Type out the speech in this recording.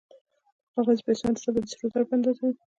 د کاغذي پیسو اندازه باید د سرو زرو په اندازه وي